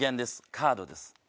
カードです。